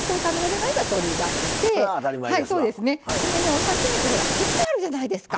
お刺身ってほら切ってあるじゃないですか。